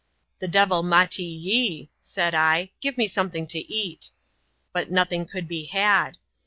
* The devil mattee ye,' said I —' give me something to eat T But nothing could be had.